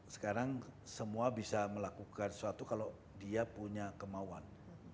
sekarang semua bisa melakukan sesuatu kalau dia punya kemauan